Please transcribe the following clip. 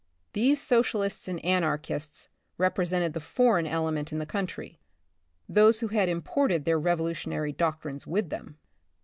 These socialists and an archists represented the foreign element in the country, those who had imported their revolu tionary doctrines with them.